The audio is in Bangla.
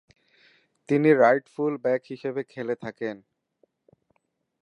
তিনি "রাইট ফুল ব্যাক" হিসেবে খেলে থাকেন।